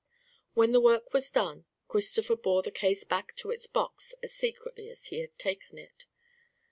When the work was done Christopher bore the case back to its box as secretly as he had taken it.